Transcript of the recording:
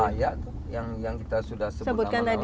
semua layak yang kita sudah sebutkan tadi